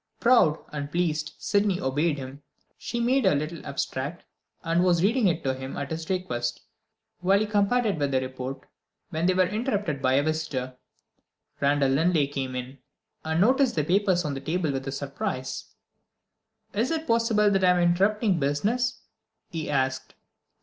Proud and pleased, Sydney obeyed him. She had made her little abstract, and was reading it to him at his request, while he compared it with the report, when they were interrupted by a visitor. Randal Linley came in, and noticed the papers on the table with surprise. "Is it possible that I am interrupting business?" he asked.